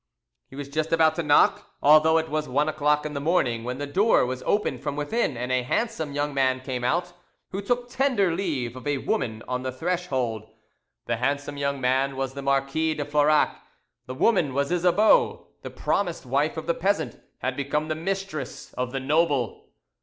He was just about to knock, although it was one o'clock in the morning, when the door was opened from within, and a handsome young man came out, who took tender leave of a woman on the threshold. The handsome young man was the Marquis de Florac; the woman was Isabeau. The promised wife of the peasant had become the mistress of the noble.